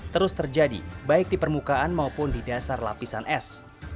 terus terjadi baik di permukaan maupun di dasar lapisan es